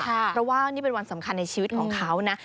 เพราะว่านี่เป็นวันสำคัญในชีวิตของเขานะ